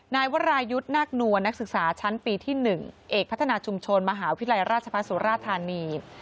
นายวรายุทธ์นาคนัวนักศึกษาชั้นปีที่๑เอกพัฒนาชุมชนมหาวิทยาลัยราชพัฒนสุราธานี